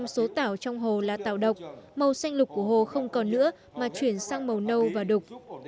chín mươi năm số tảo trong hồ là tảo độc màu xanh lục của hồ không còn nữa mà chuyển sang màu nâu và đục